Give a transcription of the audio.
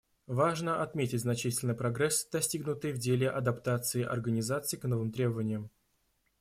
Важно отметить значительный прогресс, достигнутый в деле адаптации Организации к новым требованиям.